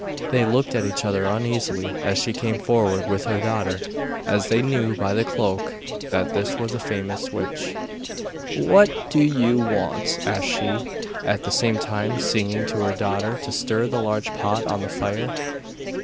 They looked at each other uneasily as she came forward with her daughter, as they knew by the cloak that this was a famous witch. 'What do you want?' asked she, at the same time signing to her daughter to stir the large pot on the fire.